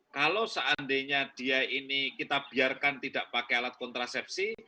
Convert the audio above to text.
kalau seandainya dia ini kita biarkan tidak pakai alat kontrasepsi